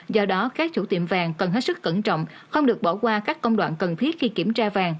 do đó các chủ tiệm vàng cần hết sức cẩn trọng không được bỏ qua các công đoạn cần thiết khi kiểm tra vàng